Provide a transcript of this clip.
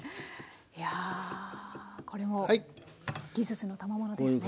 いやあこれもう技術のたまものですね。